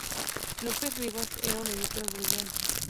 López Rivas era un editor brillante.